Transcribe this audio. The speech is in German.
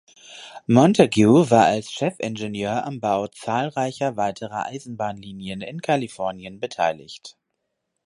Montague war als Chefingenieur am Bau zahlreicher weiterer Eisenbahnlinien in Kalifornien beteiligt.